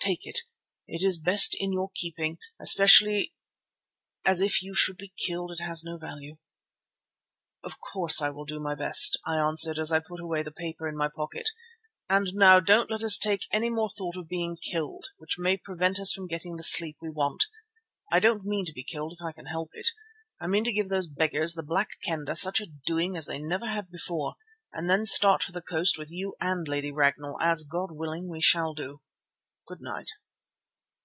Take it, it is best in your keeping, especially as if you should be killed it has no value." "Of course I will do my best," I answered as I put away the paper in my pocket. "And now don't let us take any more thought of being killed, which may prevent us from getting the sleep we want. I don't mean to be killed if I can help it. I mean to give those beggars, the Black Kendah, such a doing as they never had before, and then start for the coast with you and Lady Ragnall, as, God willing, we shall do. Good night."